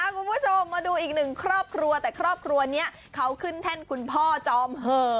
คุณผู้ชมมาดูอีกหนึ่งครอบครัวแต่ครอบครัวนี้เขาขึ้นแท่นคุณพ่อจอมเหอ